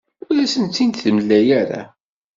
Ur asent-tt-id-temla ara.